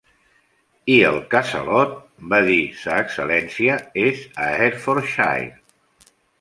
"I el Casalot", va dir Sa Excel·lència, "és a Hertfordshire".